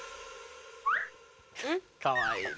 かわいいね。